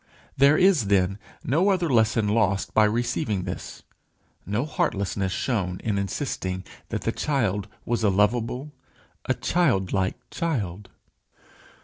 There is, then, no other lesson lost by receiving this; no heartlessness shown in insisting that the child was a lovable a childlike child.